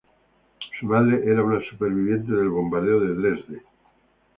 Su madre era una sobreviviente del bombardeo de Dresde.